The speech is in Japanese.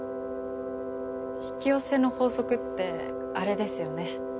引き寄せの法則ってあれです